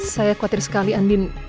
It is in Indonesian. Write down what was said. saya khawatir sekali andin